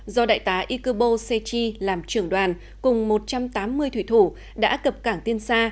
do đại tá ikubo seichi làm trưởng đoàn cùng một trăm tám mươi thủy thủ đã cập cảng tiên sa